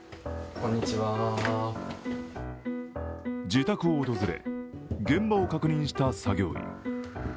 自宅を訪れ、現場を確認した作業員。